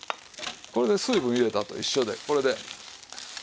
これで水分入れたと一緒でこれで。